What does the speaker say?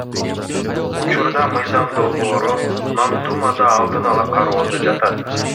Учурда мыйзам долбоору мамдумада алдын ала кароодо жатат.